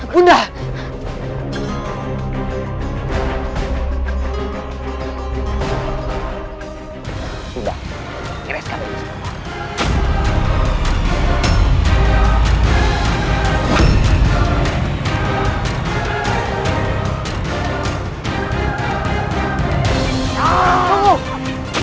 bunda kita harus kembali ke sana